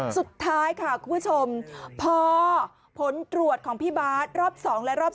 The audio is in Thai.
สุดท้ายค่ะคุณผู้ชมพอผลตรวจของพี่บาทรอบ๒และรอบ๒